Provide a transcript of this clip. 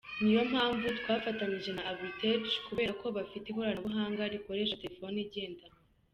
Niyo mpamvu twafatanyije na Agritech kubera ko bafite ikoranabuhanga rikoresha telefoni igendanwa.